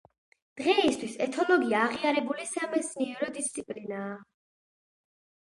დღეისთვის ეთოლოგია აღიარებული სამეცნიერო დისციპლინაა.